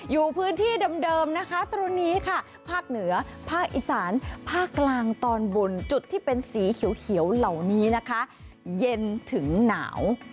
อยู่พื้นที่เดิมนะคะตรงนี้ค่ะภาคเหนือภาคอีสานภาคกลางตอนบนจุดที่เป็นสีเขียวเหล่านี้นะคะเย็นถึงหนาว